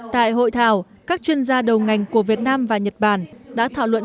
tại hội thảo các chuyên gia đầu ngành của việt nam và nhật bản đã thảo luận